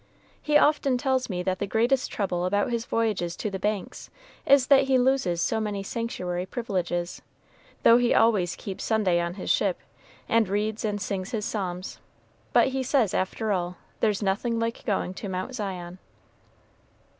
"He often tells me that the greatest trouble about his voyages to the Banks is that he loses so many sanctuary privileges; though he always keeps Sunday on his ship, and reads and sings his psalms; but, he says, after all, there's nothing like going to Mount Zion."